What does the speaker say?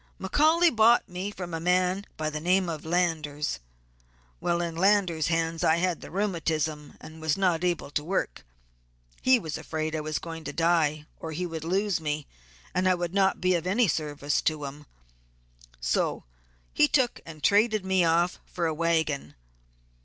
"McCaully bought me from a man by the name of Landers. While in Landers' hands I had the rheumatism and was not able to work. He was afraid I was going to die, or he would lose me, and I would not be of any service to him, so he took and traded me off for a wagon.